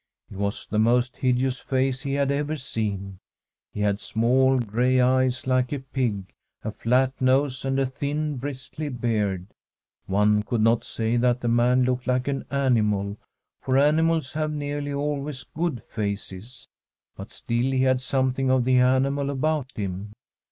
It was the most hideous face he had ever seen. He had small gray eyes like a pig, a flat nose, and a thin, bristly beard. One could not say that the man looked like an animal, for animals have nearly always good faces, but still, he had something of the animal about him.